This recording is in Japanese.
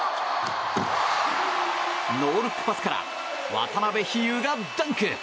ノールックパスから渡邉飛勇がダンク！